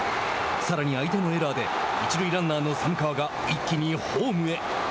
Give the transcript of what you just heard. さらに、相手のエラーで一塁ランナーの寒川が一気にホームへ。